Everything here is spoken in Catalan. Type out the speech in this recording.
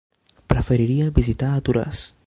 Preferiria visitar Toràs.